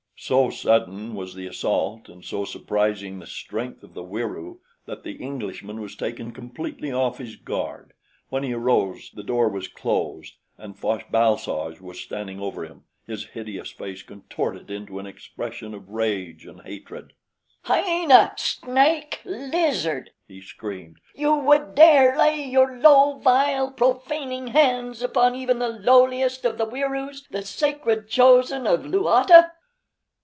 So sudden was the assault and so surprising the strength of the Wieroo that the Englishman was taken completely off his guard. When he arose, the door was closed, and Fosh bal soj was standing over him, his hideous face contorted into an expression of rage and hatred. "Hyena, snake, lizard!" he screamed. "You would dare lay your low, vile, profaning hands upon even the lowliest of the Wieroos the sacred chosen of Luata!"